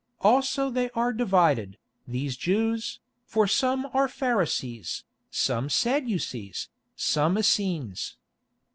Also they are divided, these Jews, for some are Pharisees, some Sadducees, some Essenes.